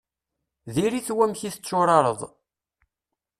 Diri-t wamek i tetturareḍ.